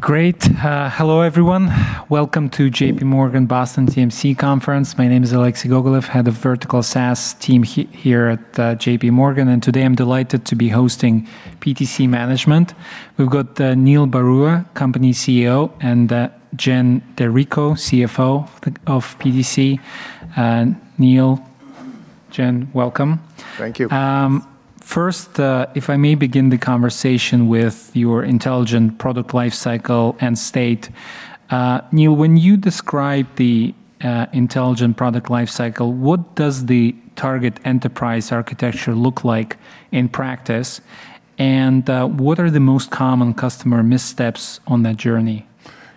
Great. Hello everyone. Welcome to J.P. Morgan Boston TMC Conference. My name is Alexei Gogolev, head of vertical SaaS team here at J.P. Morgan, and today I'm delighted to be hosting PTC management. We've got Neil Barua, company CEO, and Kristian Talvitie, CFO of PTC. Neil, Kristian, welcome. Thank you. First, if I may begin the conversation with your Intelligent Product Lifecycle end state. Neil, when you describe the Intelligent Product Lifecycle, what does the target enterprise architecture look like in practice? What are the most common customer missteps on that journey?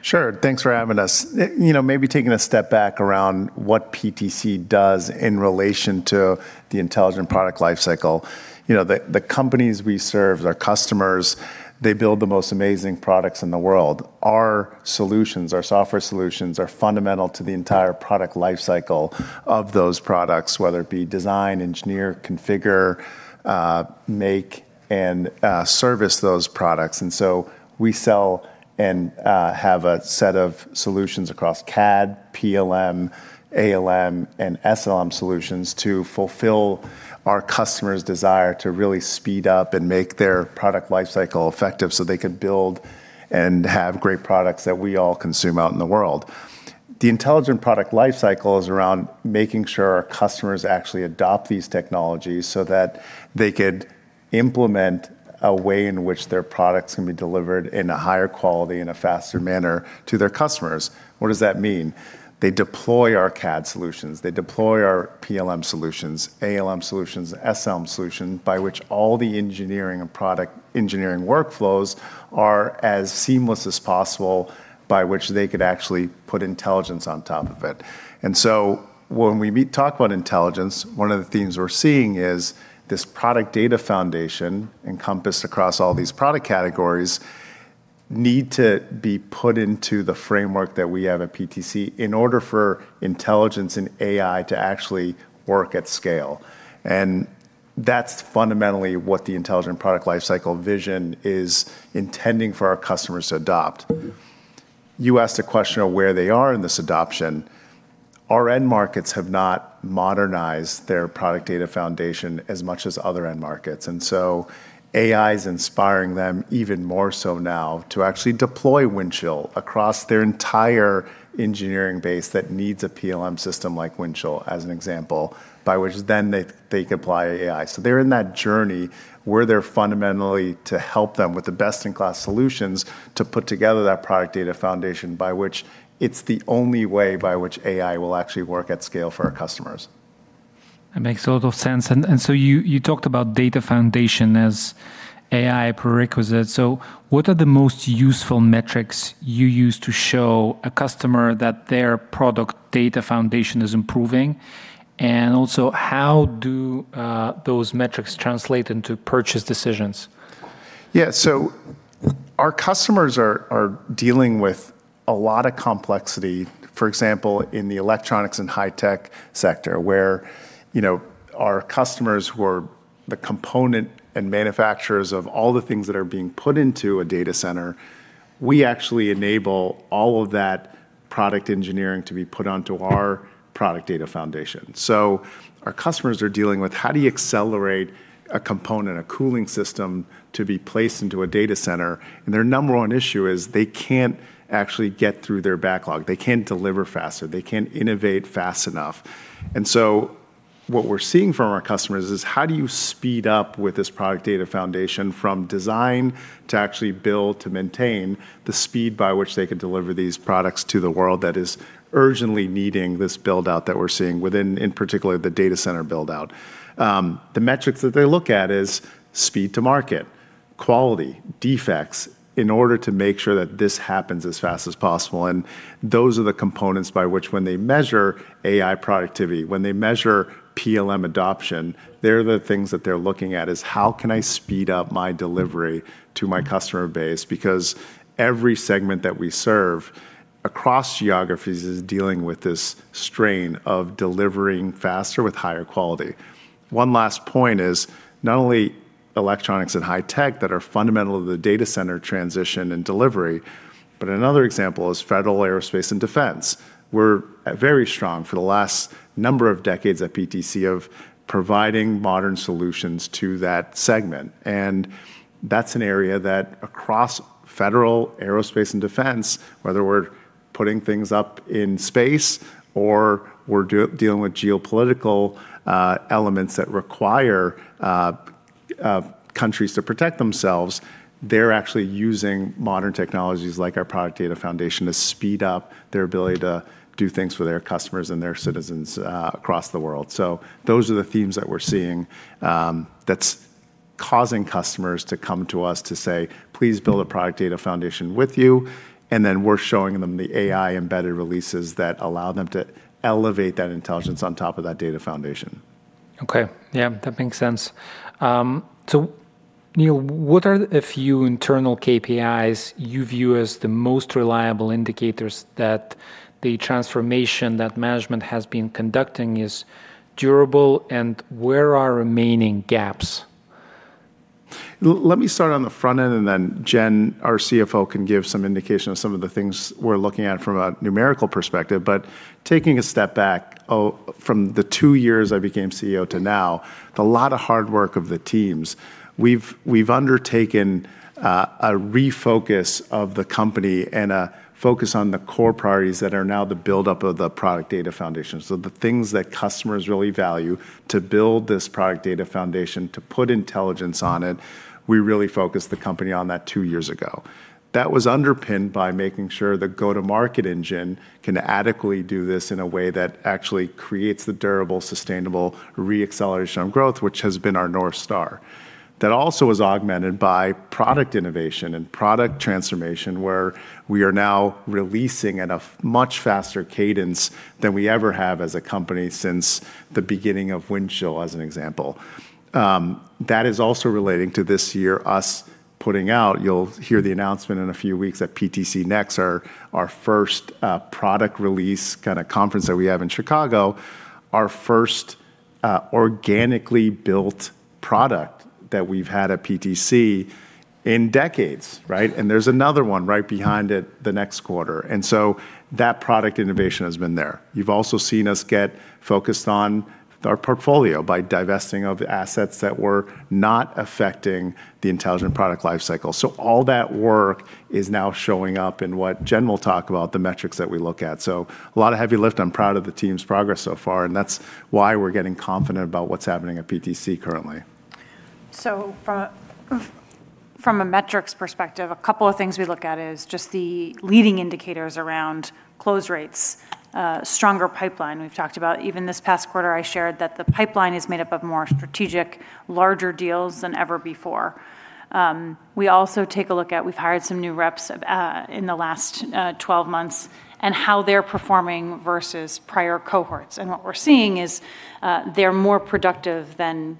Sure. Thanks for having us. You know, maybe taking a step back around what PTC does in relation to the Intelligent Product Lifecycle. You know, the companies we serve, our customers, they build the most amazing products in the world. Our solutions, our software solutions, are fundamental to the entire product lifecycle of those products, whether it be design, engineer, configure, make and service those products. We sell and have a set of solutions across CAD, PLM, ALM, and SLM solutions to fulfill our customers' desire to really speed up and make their product lifecycle effective so they can build and have great products that we all consume out in the world. The Intelligent Product Lifecycle is around making sure our customers actually adopt these technologies so that they could implement a way in which their products can be delivered in a higher quality, in a faster manner to their customers. What does that mean? They deploy our CAD solutions, they deploy our PLM solutions, ALM solutions, SLM solution, by which all the engineering and product engineering workflows are as seamless as possible by which they could actually put intelligence on top of it. When we talk about intelligence, one of the themes we're seeing is this product data foundation encompassed across all these product categories need to be put into the framework that we have at PTC in order for intelligence and AI to actually work at scale. That's fundamentally what the Intelligent Product Lifecycle vision is intending for our customers to adopt. You asked a question of where they are in this adoption. Our end markets have not modernized their product data foundation as much as other end markets, AI's inspiring them even more so now to actually deploy Windchill across their entire engineering base that needs a PLM system like Windchill, as an example, by which then they could apply AI. They're in that journey where they're fundamentally to help them with the best in class solutions to put together that product data foundation by which it's the only way by which AI will actually work at scale for our customers. That makes a lot of sense. You talked about data foundation as AI prerequisite. What are the most useful metrics you use to show a customer that their product data foundation is improving? Also, how do those metrics translate into purchase decisions? Yeah. Our customers are dealing with a lot of complexity, for example, in the electronics and high-tech sector, where, you know, our customers who are the component and manufacturers of all the things that are being put into a data center, we actually enable all of that product engineering to be put onto our product data foundation. Our customers are dealing with how do you accelerate a component, a cooling system to be placed into a data center, and their number one issue is they can't actually get through their backlog. They can't deliver faster. They can't innovate fast enough. What we're seeing from our customers is how do you speed up with this product data foundation from design to actually build to maintain the speed by which they can deliver these products to the world that is urgently needing this build-out that we're seeing within, in particular, the data center build-out. The metrics that they look at is speed to market, quality, defects in order to make sure that this happens as fast as possible, and those are the components by which when they measure AI productivity, when they measure PLM adoption, they're the things that they're looking at is how can I speed up my delivery to my customer base? Every segment that we serve across geographies is dealing with this strain of delivering faster with higher quality. One last point is not only electronics and high tech that are fundamental to the data center transition and delivery, but another example is federal aerospace and defense, were very strong for the last number of decades at PTC of providing modern solutions to that segment. That's an area that across federal aerospace and defense, whether we're putting things up in space or we're dealing with geopolitical elements that require countries to protect themselves, they're actually using modern technologies like our product data foundation to speed up their ability to do things for their customers and their citizens across the world. Those are the themes that we're seeing that's causing customers to come to us to say, "Please build a product data foundation with you." We're showing them the AI-embedded releases that allow them to elevate that intelligence on top of that data foundation. Okay. Yeah. That makes sense. Neil, what are a few internal KPIs you view as the most reliable indicators that the transformation that management has been conducting is durable, and where are remaining gaps? Let me start on the front end, then Kristian Talvitie, our CFO, can give some indication of some of the things we're looking at from a numerical perspective. Taking a step back, from the two years I became CEO to now, the lot of hard work of the teams, we've undertaken a refocus of the company and a focus on the core priorities that are now the buildup of the product data foundation. The things that customers really value to build this product data foundation, to put intelligence on it, we really focused the company on that two years ago. That was underpinned by making sure the go-to-market engine can adequately do this in a way that actually creates the durable, sustainable re-acceleration of growth, which has been our North Star. That also is augmented by product innovation and product transformation, where we are now releasing at a much faster cadence than we ever have as a company since the beginning of Windchill, as an example. That is also relating to this year, us putting out, you'll hear the announcement in a few weeks at PTC Next, our first product release kind of conference that we have in Chicago, our first organically built product that we've had at PTC in decades, right? There's another one right behind it the next quarter. That product innovation has been there. You've also seen us get focused on our portfolio by divesting of the assets that were not affecting the Intelligent Product Lifecycle. All that work is now showing up in what Kristian will talk about, the metrics that we look at. A lot of heavy lift. I'm proud of the team's progress so far, and that's why we're getting confident about what's happening at PTC currently. From a metrics perspective, a couple of things we look at is just the leading indicators around close rates, stronger pipeline we've talked about. Even this past quarter, I shared that the pipeline is made up of more strategic, larger deals than ever before. We also take a look at we've hired some new reps in the last 12 months and how they're performing versus prior cohorts. What we're seeing is, they're more productive than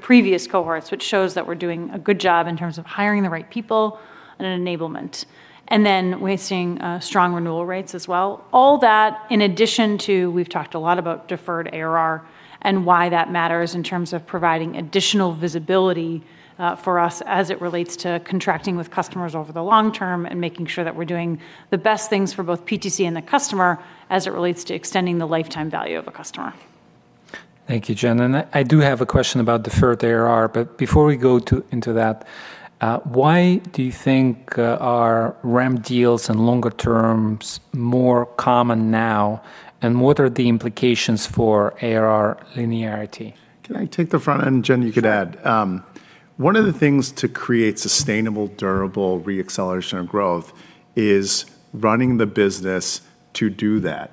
previous cohorts, which shows that we're doing a good job in terms of hiring the right people and enablement. Then we're seeing strong renewal rates as well. All that in addition to, we've talked a lot about deferred ARR and why that matters in terms of providing additional visibility for us as it relates to contracting with customers over the long term and making sure that we're doing the best things for both PTC and the customer as it relates to extending the lifetime value of a customer. Thank you, Kristian Talvitie. I do have a question about deferred ARR, but before we go into that, why do you think are ramp deals and longer terms more common now, and what are the implications for ARR linearity? Can I take the front end, Kristian, you could add. One of the things to create sustainable, durable reacceleration of growth is running the business to do that.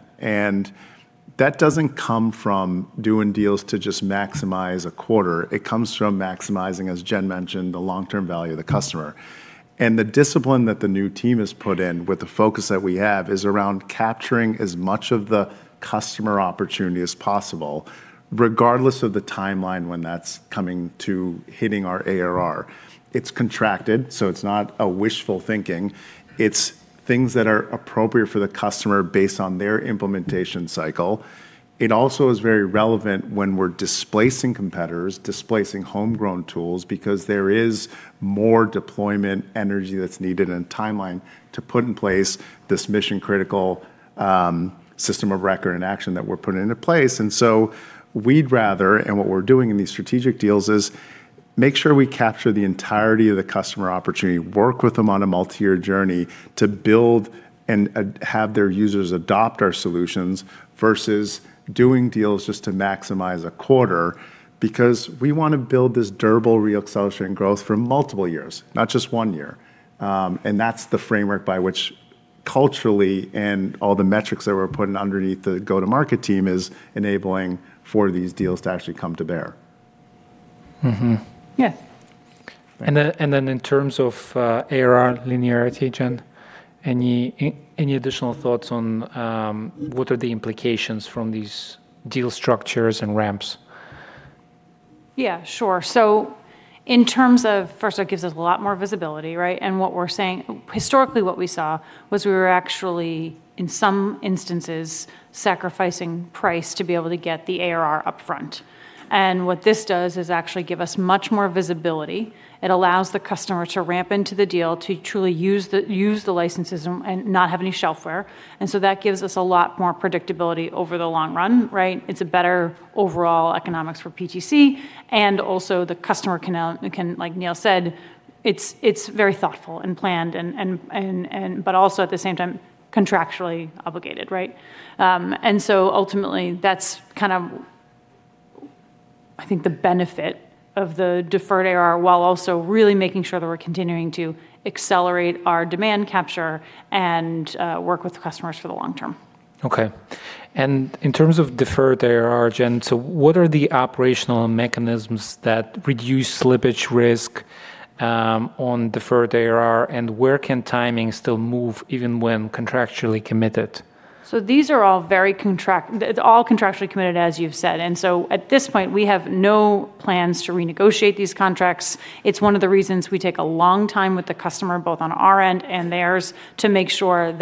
That doesn't come from doing deals to just maximize a quarter. It comes from maximizing, as Kristian mentioned, the long-term value of the customer. The discipline that the new team has put in with the focus that we have is around capturing as much of the customer opportunity as possible, regardless of the timeline when that's coming to hitting our ARR. It's contracted, so it's not a wishful thinking. It's things that are appropriate for the customer based on their implementation cycle. It also is very relevant when we're displacing competitors, displacing homegrown tools, because there is more deployment energy that's needed and timeline to put in place this mission-critical system of record and action that we're putting into place. We'd rather, and what we're doing in these strategic deals is make sure we capture the entirety of the customer opportunity, work with them on a multi-year journey to build and have their users adopt our solutions versus doing deals just to maximize a quarter. We wanna build this durable re-acceleration growth for multiple years, not just one year. That's the framework by which culturally and all the metrics that we're putting underneath the go-to-market team is enabling for these deals to actually come to bear. Yeah. In terms of ARR linearity, Kristian Talvitie, any additional thoughts on what are the implications from these deal structures and ramps? Yeah, sure. In terms of, first, it gives us a lot more visibility, right? Historically, what we saw was we were actually, in some instances, sacrificing price to be able to get the ARR up front. What this does is actually give us much more visibility. It allows the customer to ramp into the deal to truly use the licenses and not have any shelfware. That gives us a lot more predictability over the long run, right? It's a better overall economics for PTC, and also the customer can now, like Neil said, it's very thoughtful and planned and also at the same time, contractually obligated, right? Ultimately, that's kind of I think the benefit of the deferred ARR, while also really making sure that we're continuing to accelerate our demand capture and work with customers for the long term. Okay. In terms of deferred ARR, Jen, what are the operational mechanisms that reduce slippage risk on deferred ARR, and where can timing still move even when contractually committed? These are all very contractually committed, as you've said. At this point, we have no plans to renegotiate these contracts. It's one of the reasons we take a long time with the customer, both on our end and theirs, to make sure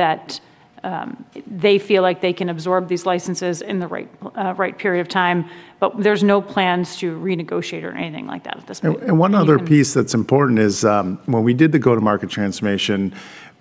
they feel like they can absorb these licenses in the right period of time. There's no plans to renegotiate or anything like that at this point. One other piece that's important is when we did the go-to-market transformation,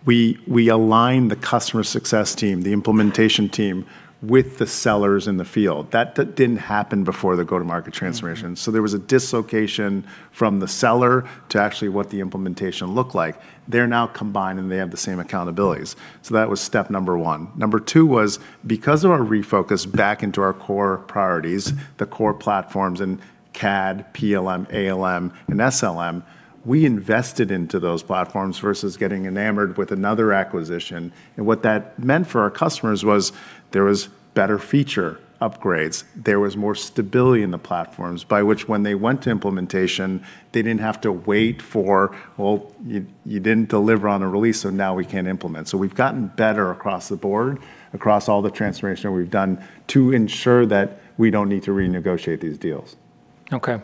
we aligned the customer success team, the implementation team, with the sellers in the field. That didn't happen before the go-to-market transformation. There was a dislocation from the seller to actually what the implementation looked like. They're now combined, and they have the same accountabilities. That was step number one. Number two was because of our refocus back into our core priorities, the core platforms in CAD, PLM, ALM, and SLM, we invested into those platforms versus getting enamored with another acquisition. What that meant for our customers was there was better feature upgrades. There was more stability in the platforms by which when they went to implementation, they didn't have to wait for, "Well, you didn't deliver on a release, so now we can't implement." We've gotten better across the board, across all the transformation we've done to ensure that we don't need to renegotiate these deals. Okay.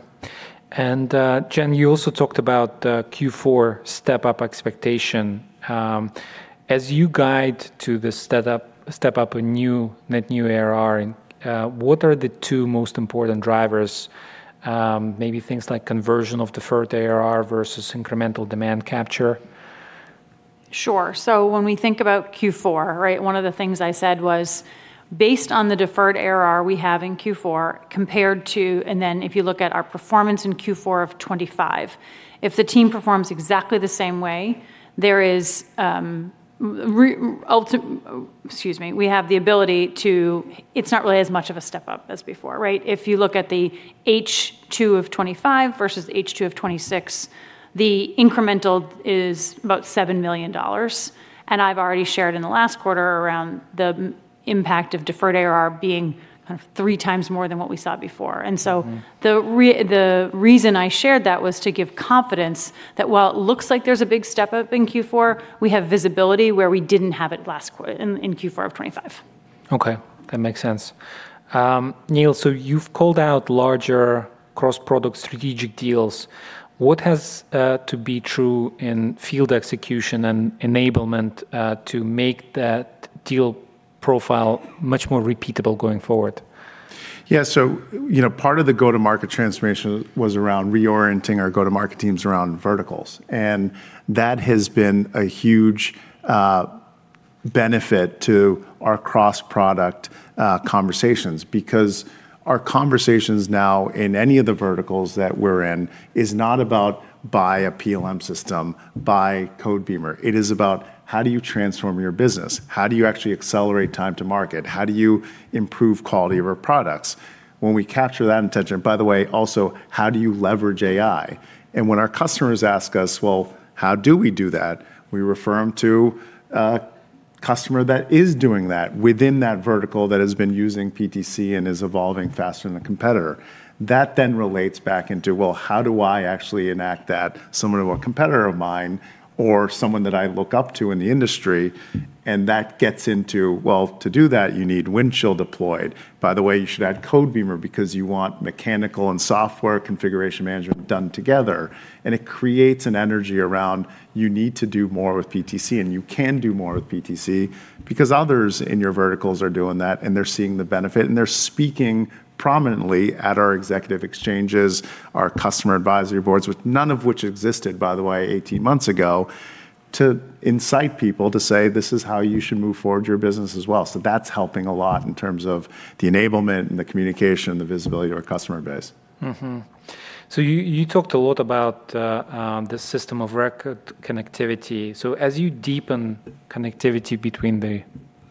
CK, you also talked about Q4 step-up expectation. As you guide to the step up a new, net new ARR, what are the two most important drivers? Maybe things like conversion of deferred ARR versus incremental demand capture. Sure. When we think about Q4, right? One of the things I said was based on the deferred ARR we have in Q4 compared to. If you look at our performance in Q4 of 2025, if the team performs exactly the same way, it's not really as much of a step-up as before, right? If you look at the H2 of 2025 versus the H2 of 2026, the incremental is about $7 million. I've already shared in the last quarter around the impact of deferred ARR being kind of 3 times more than what we saw before. The reason I shared that was to give confidence that while it looks like there's a big step-up in Q4, we have visibility where we didn't have it last in Q4 of 2025. Okay. That makes sense. Neil, you've called out larger cross-product strategic deals. What has to be true in field execution and enablement to make that deal profile much more repeatable going forward? You know, part of the go-to-market transformation was around reorienting our go-to-market teams around verticals, and that has been a huge benefit to our cross-product conversations because our conversations now in any of the verticals that we're in is not about buy a PLM system, buy Codebeamer. It is about how do you transform your business? How do you actually accelerate time to market? How do you improve quality of our products? When we capture that intention. By the way, also, how do you leverage AI? When our customers ask us, "Well, how do we do that?" We refer them to a customer that is doing that within that vertical that has been using PTC and is evolving faster than the competitor. That relates back into, well, how do I actually enact that similar to a competitor of mine or someone that I look up to in the industry? That gets into, well, to do that, you need Windchill deployed. By the way, you should add Codebeamer because you want mechanical and software configuration management done together. It creates an energy around you need to do more with PTC, and you can do more with PTC because others in your verticals are doing that, and they're seeing the benefit, and they're speaking prominently at our executive exchanges, our customer advisory boards, which none of which existed, by the way, 18 months ago, to incite people to say, "This is how you should move forward your business as well." That's helping a lot in terms of the enablement and the communication, the visibility to our customer base. Mm-hmm. You talked a lot about the system of record connectivity. As you deepen connectivity between the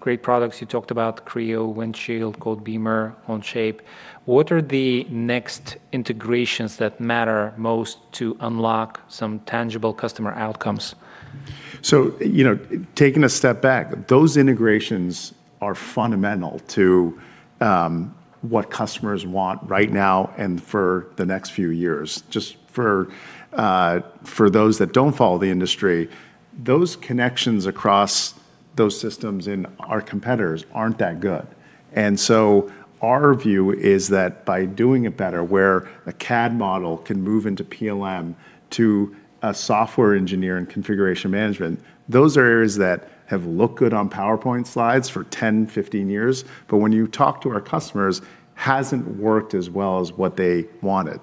great products you talked about, Creo, Windchill, Codebeamer, Onshape, what are the next integrations that matter most to unlock some tangible customer outcomes? You know, taking a step back, those integrations are fundamental to what customers want right now and for the next few years. Just for those that don't follow the industry, those connections across those systems in our competitors aren't that good. Our view is that by doing it better, where a CAD model can move into PLM to a software engineer and configuration management, those are areas that have looked good on PowerPoint slides for 10 years, 15 years, but when you talk to our customers, hasn't worked as well as what they wanted.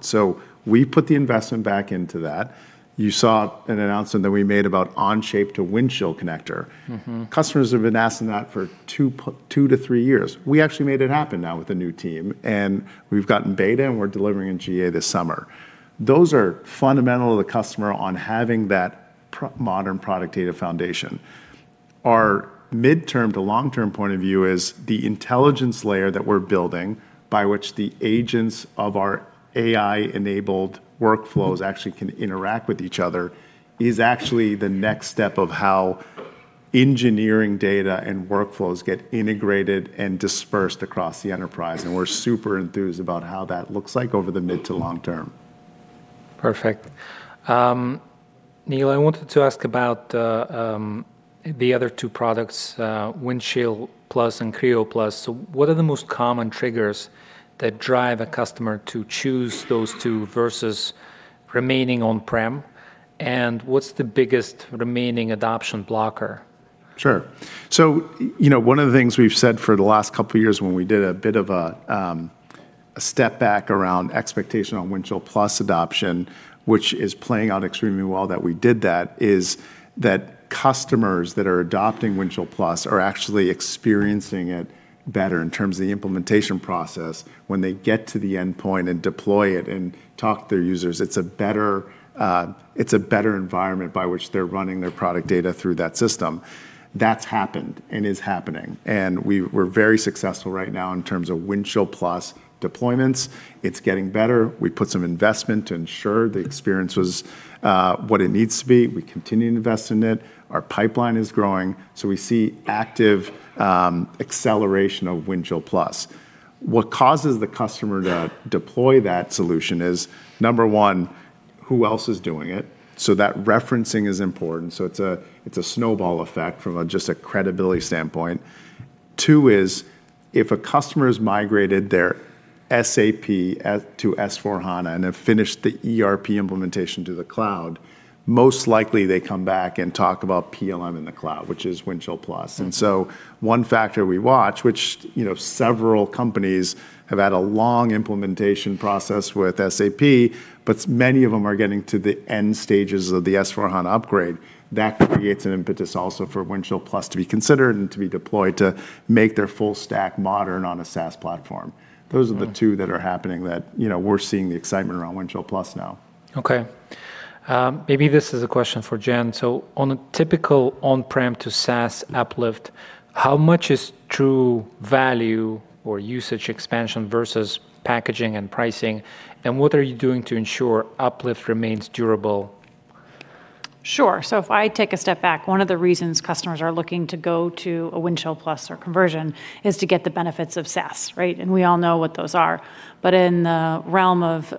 We put the investment back into that. You saw an announcement that we made about Onshape to Windchill connector. Customers have been asking that for two to three years. We actually made it happen now with the new team, and we've gotten beta, and we're delivering in GA this summer. Those are fundamental to the customer on having that modern product data foundation. Our midterm to long-term point of view is the intelligence layer that we're building by which the agents of our AI-enabled workflows actually can interact with each other is actually the next step of how engineering data and workflows get integrated and dispersed across the enterprise, and we're super enthused about how that looks like over the mid to long term. Perfect. Neil, I wanted to ask about the other two products, Windchill+ and Creo+. What are the most common triggers that drive a customer to choose those two versus remaining on-prem? What's the biggest remaining adoption blocker? Sure. You know, one of the things we've said for the last couple of years when we did a bit of a step back around expectation on Windchill+ adoption, which is playing out extremely well that we did that, is that customers that are adopting Windchill+ are actually experiencing it better in terms of the implementation process. When they get to the endpoint and deploy it and talk to their users, it's a better, it's a better environment by which they're running their product data through that system. That's happened and is happening, we're very successful right now in terms of Windchill+ deployments. It's getting better. We put some investment to ensure the experience was what it needs to be. We continue to invest in it. Our pipeline is growing, we see active acceleration of Windchill+. What causes the customer to deploy that solution is, number one, who else is doing it? That referencing is important, so it's a snowball effect from a just a credibility standpoint. Two is if a customer has migrated their SAP to S/4HANA and have finished the ERP implementation to the cloud, most likely they come back and talk about PLM in the cloud, which is Windchill+. One factor we watch, which, you know, several companies have had a long implementation process with SAP, but many of them are getting to the end stages of the S/4HANA upgrade. That creates an impetus also for Windchill+ to be considered and to be deployed to make their full stack modern on a SaaS platform. Those are the two that are happening that, you know, we're seeing the excitement around Windchill+ now. Okay. Maybe this is a question for Kristian Talvitie. On a typical on-prem to SaaS uplift, how much is true value or usage expansion versus packaging and pricing, and what are you doing to ensure uplift remains durable? Sure. If I take a step back, one of the reasons customers are looking to go to a Windchill+ or conversion is to get the benefits of SaaS, right? We all know what those are. In the realm of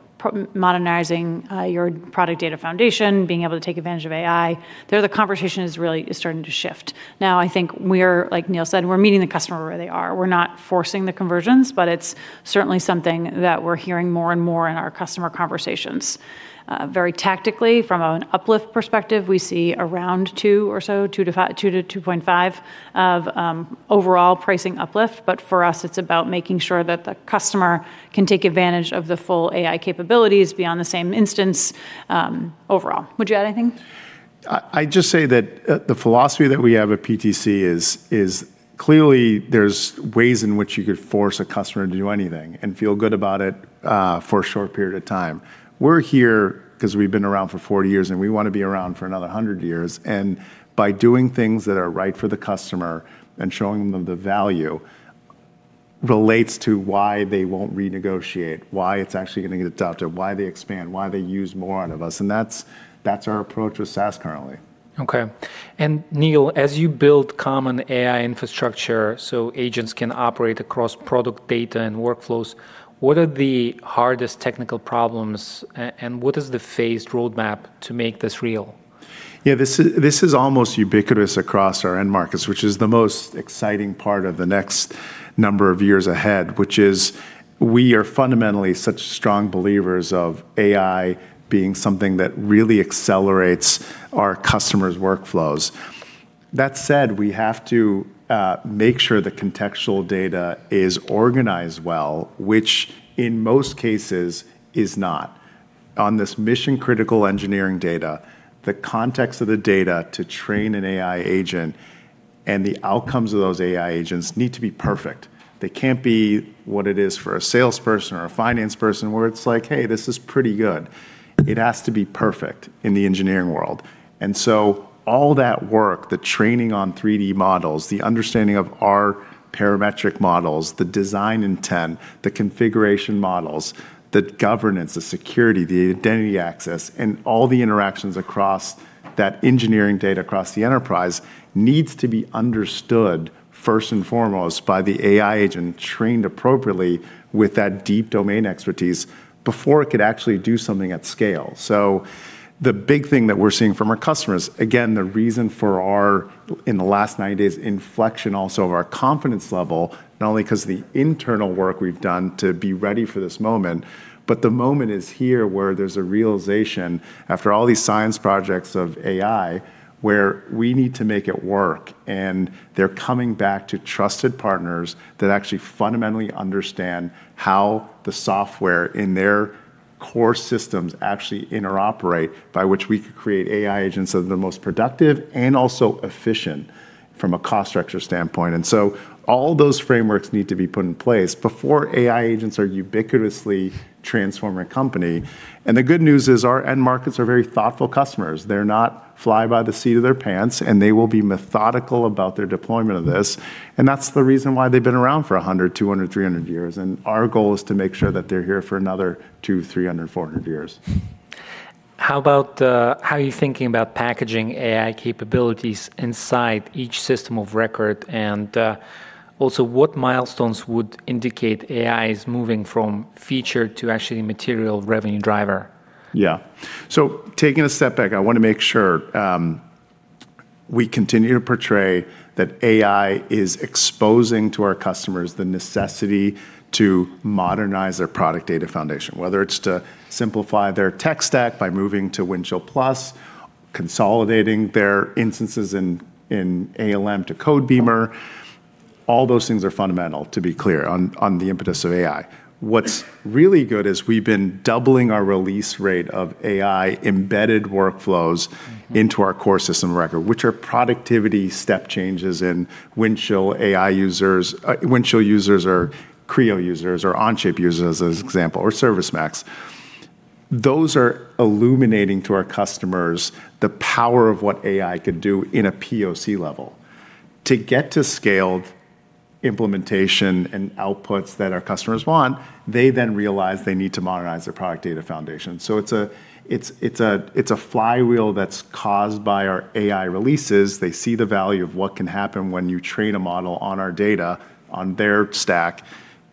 modernizing your product data foundation, being able to take advantage of AI, there the conversation is really starting to shift. I think we're, like Neil said, we're meeting the customer where they are. We're not forcing the conversions, but it's certainly something that we're hearing more and more in our customer conversations. Very tactically from an uplift perspective, we see around two or so, two to 2.5 of overall pricing uplift. For us, it's about making sure that the customer can take advantage of the full AI capabilities beyond the same instance overall. Would you add anything? I just say that the philosophy that we have at PTC is clearly there's ways in which you could force a customer to do anything and feel good about it for a short period of time. We're here 'cause we've been around for 40 years, we wanna be around for another 100 years, by doing things that are right for the customer and showing them the value relates to why they won't renegotiate, why it's actually gonna get adopted, why they expand, why they use more out of us, that's our approach with SaaS currently. Okay. Neil, as you build common AI infrastructure so agents can operate across product data and workflows, what are the hardest technical problems and what is the phased roadmap to make this real? This is almost ubiquitous across our end markets, which is the most exciting part of the next number of years ahead, which is we are fundamentally such strong believers of AI being something that really accelerates our customers' workflows. That said, we have to make sure the contextual data is organized well, which in most cases is not. On this mission-critical engineering data, the context of the data to train an AI agent and the outcomes of those AI agents need to be perfect. They can't be what it is for a salesperson or a finance person, where it's like, "Hey, this is pretty good." It has to be perfect in the engineering world. All that work, the training on 3D models, the understanding of our parametric models, the design intent, the configuration models, the governance, the security, the identity access, and all the interactions across that engineering data across the enterprise needs to be understood first and foremost by the AI agent trained appropriately with that deep domain expertise before it could actually do something at scale. The big thing that we're seeing from our customers, again, the reason for our, in the last 90 days, inflection also of our confidence level, not only 'cause of the internal work we've done to be ready for this moment, but the moment is here where there's a realization after all these science projects of AI where we need to make it work. They're coming back to trusted partners that actually fundamentally understand how the software in their core systems actually interoperate by which we could create AI agents that are the most productive and also efficient from a cost structure standpoint. All those frameworks need to be put in place before AI agents are ubiquitously transforming company. The good news is our end markets are very thoughtful customers. They're not fly by the seat of their pants, and they will be methodical about their deployment of this, and that's the reason why they've been around for 100 years, 200 years, 300 years. Our goal is to make sure that they're here for another 200 years, 300 years, 400 years. How about, how are you thinking about packaging AI capabilities inside each system of record? Also, what milestones would indicate AI is moving from feature to actually material revenue driver? Yeah. Taking a step back, I want to make sure, we continue to portray that AI is exposing to our customers the necessity to modernize their product data foundation, whether it's to simplify their tech stack by moving to Windchill+. Consolidating their instances in ALM to Codebeamer. All those things are fundamental, to be clear, on the impetus of AI. What's really good is we've been doubling our release rate of AI-embedded workflows. into our core system record, which are productivity step changes in Windchill AI users, Windchill users or Creo users or Onshape users as example, or ServiceMax. Those are illuminating to our customers the power of what AI could do in a POC level. To get to scaled implementation and outputs that our customers want, they then realize they need to modernize their product data foundation. It's a flywheel that's caused by our AI releases. They see the value of what can happen when you train a model on our data on their stack,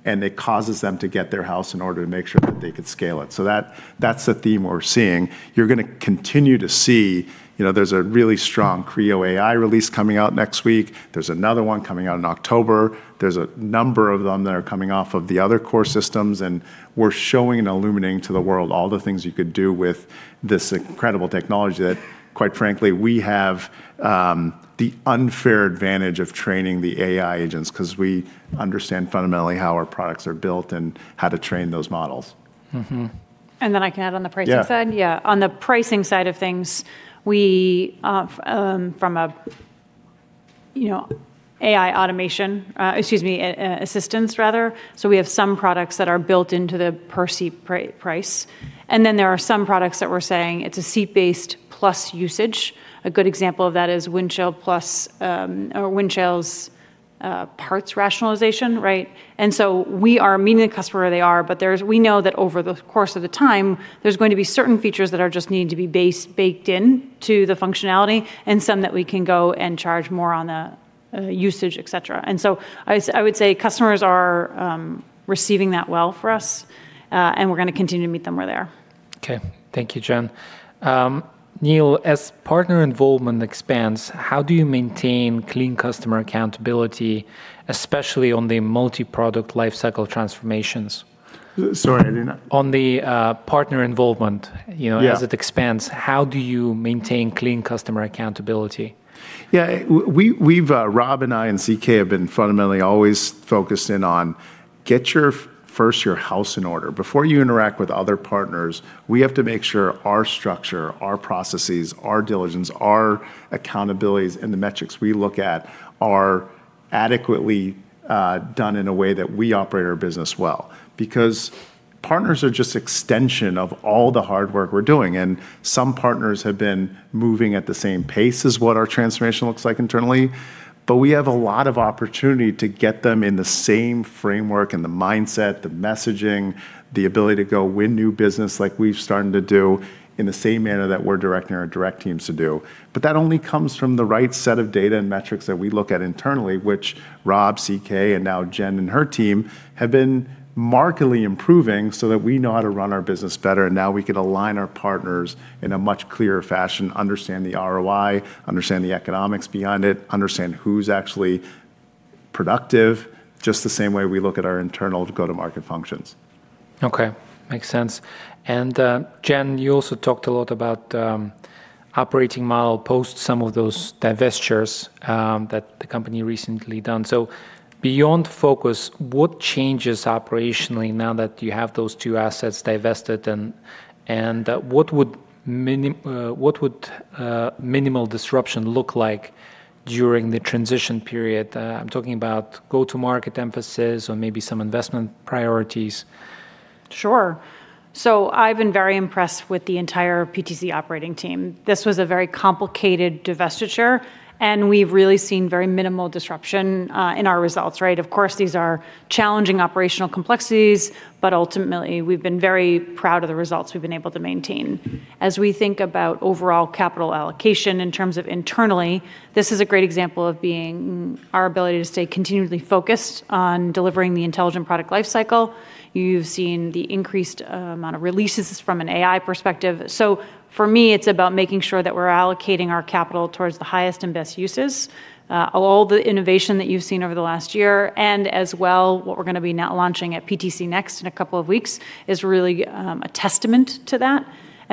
and it causes them to get their house in order to make sure that they could scale it. That, that's the theme we're seeing. You're gonna continue to see, you know, there's a really strong Creo AI release coming out next week. There's another one coming out in October. There's a number of them that are coming off of the other core systems. We're showing and illuminating to the world all the things you could do with this incredible technology that, quite frankly, we have the unfair advantage of training the AI agents 'cause we understand fundamentally how our products are built and how to train those models. I can add on the pricing side? Yeah. Yeah. On the pricing side of things, we, you know, AI automation assistance rather, we have some products that are built into the per-seat price, and then there are some products that we're saying it's a seat-based plus usage. A good example of that is Windchill+, or Windchill's parts rationalization, right? We are meeting the customer where they are, we know that over the course of the time, there's going to be certain features that are just need to be base baked in to the functionality and some that we can go and charge more on the usage, et cetera. I would say customers are receiving that well for us, and we're gonna continue to meet them where they are. Okay. Thank you, Jen. Neil, as partner involvement expands, how do you maintain clean customer accountability, especially on the multiproduct life cycle transformations? Sorry. On the partner involvement, you know. Yeah as it expands, how do you maintain clean customer accountability? Yeah. We've, Rob and I and CK have been fundamentally always focused in on, get your first your house in order. Before you interact with other partners, we have to make sure our structure, our processes, our diligence, our accountabilities, and the metrics we look at are adequately done in a way that we operate our business well because partners are just extension of all the hard work we're doing, and some partners have been moving at the same pace as what our transformation looks like internally. We have a lot of opportunity to get them in the same framework and the mindset, the messaging, the ability to go win new business like we've started to do in the same manner that we're directing our direct teams to do. That only comes from the right set of data and metrics that we look at internally, which Rob, CK, and now Kristian Talvitie and her team have been markedly improving so that we know how to run our business better, and now we could align our partners in a much clearer fashion, understand the ROI, understand the economics behind it, understand who's actually productive, just the same way we look at our internal go-to-market functions. Okay. Makes sense. Kristian Talvitie, you also talked a lot about operating model post some of those divestitures that the company recently done. Beyond focus, what changes operationally now that you have those two assets divested, and what would minimal disruption look like during the transition period? I'm talking about go-to-market emphasis or maybe some investment priorities. Sure. I've been very impressed with the entire PTC operating team. This was a very complicated divestiture, and we've really seen very minimal disruption in our results, right? Of course, these are challenging operational complexities, but ultimately, we've been very proud of the results we've been able to maintain. As we think about overall capital allocation in terms of internally, this is a great example of being our ability to stay continually focused on delivering the Intelligent Product Lifecycle. You've seen the increased amount of releases from an AI perspective. For me, it's about making sure that we're allocating our capital towards the highest and best uses. All the innovation that you've seen over the last year and as well what we're gonna be now launching at PTC Next in a couple of weeks is really a testament to that.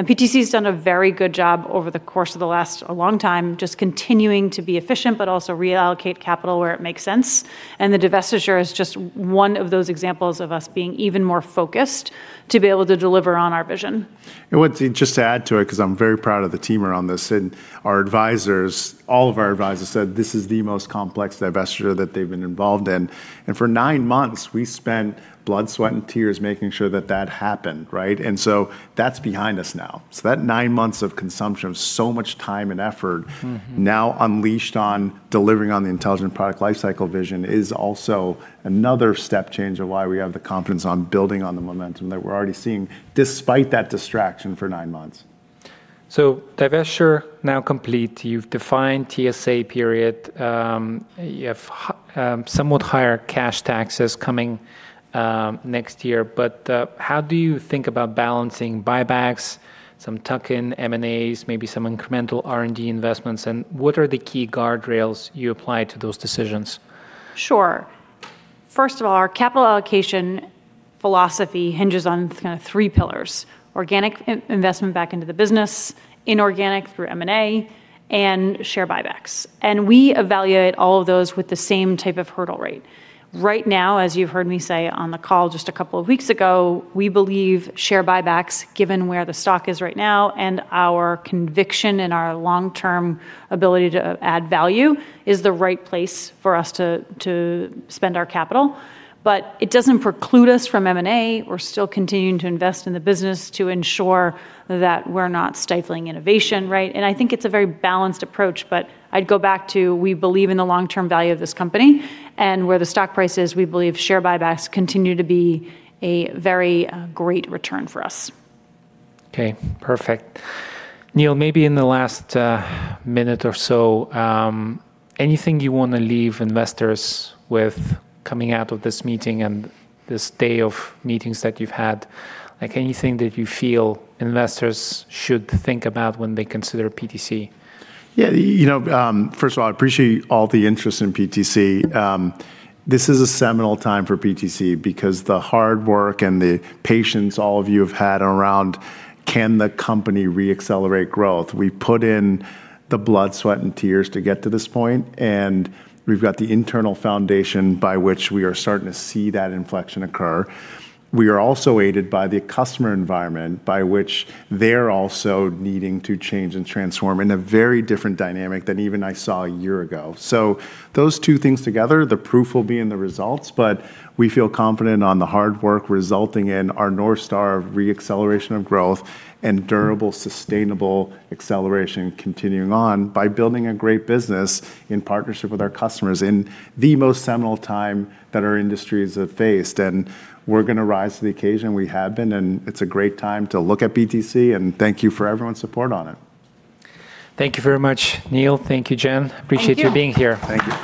PTC has done a very good job over the course of the last a long time just continuing to be efficient, but also reallocate capital where it makes sense, and the divestiture is just one of those examples of us being even more focused to be able to deliver on our vision. To just add to it, because I am very proud of the team around this, and our advisors, all of our advisors said this is the most complex divestiture that they have been involved in. For nine months we spent blood, sweat, and tears making sure that that happened, right. That is behind us now. That 9 months of consumption of so much time and effort. now unleashed on delivering on the Intelligent Product Lifecycle vision is also another step change of why we have the confidence on building on the momentum that we're already seeing despite that distraction for 9 months. Divestiture now complete. You've defined TSA period. You have somewhat higher cash taxes coming next year. How do you think about balancing buybacks, some tuck-in M&As, maybe some incremental R&D investments, and what are the key guardrails you apply to those decisions? Sure. First of all, our capital allocation philosophy hinges on kind of three pillars: organic investment back into the business, inorganic through M&A, and share buybacks. We evaluate all of those with the same type of hurdle rate. Right now, as you've heard me say on the call just a couple of weeks ago, we believe share buybacks, given where the stock is right now and our conviction in our long-term ability to add value, is the right place for us to spend our capital. It doesn't preclude us from M&A. We're still continuing to invest in the business to ensure that we're not stifling innovation, right? I think it's a very balanced approach, but I'd go back to we believe in the long-term value of this company, and where the stock price is, we believe share buybacks continue to be a very great return for us. Okay. Perfect. Neil, maybe in the last minute or so, anything you wanna leave investors with coming out of this meeting and this day of meetings that you've had? Like, anything that you feel investors should think about when they consider PTC? Yeah. You know, first of all, I appreciate all the interest in PTC. This is a seminal time for PTC because the hard work and the patience all of you have had around can the company re-accelerate growth. We put in the blood, sweat, and tears to get to this point, and we've got the internal foundation by which we are starting to see that inflection occur. We are also aided by the customer environment by which they're also needing to change and transform in a very different dynamic than even I saw a year ago. Those two things together, the proof will be in the results, but we feel confident on the hard work resulting in our North Star re-acceleration of growth and durable, sustainable acceleration continuing on by building a great business in partnership with our customers in the most seminal time that our industries have faced. We're going to rise to the occasion. We have been, and it's a great time to look at PTC, and thank you for everyone's support on it. Thank you very much, Neil. Thank you, Kristian Talvitie. Thank you. Appreciate you being here. Thank you.